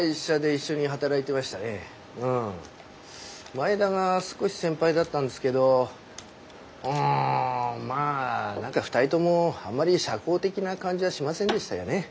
前田が少し先輩だったんですけどうんまあ何か２人ともあんまり社交的な感じはしませんでしたよね。